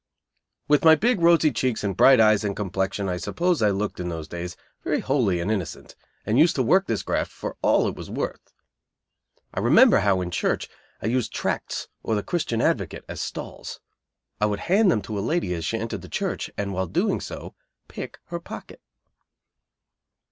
With my big rosy cheeks and bright eyes and complexion I suppose I looked, in those days, very holy and innocent, and used to work this graft for all it was worth. I remember how, in church, I used tracts or the Christian Advocate as "stalls"; I would hand them to a lady as she entered the church, and, while doing so, pick her pocket.